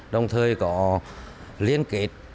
đồng thời có liên kết